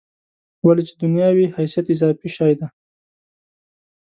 ولې چې دنیا وي حیثیت اضافي شی دی.